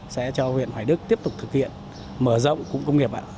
sẽ cho huyện hoài đức tiếp tục thực hiện mở rộng cụm công nghiệp ạ